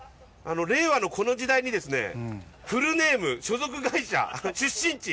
令和のこの時代にですねフルネーム所属会社出身地。